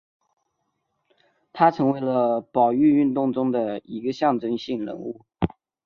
他成为了保育运动中的一个象征性人物。